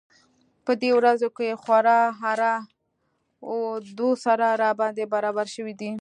په دې ورځو کې خورا اره و دوسره راباندې برابره شوې ده.